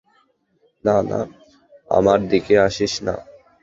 না, না, আমার দিকেও আসিস না।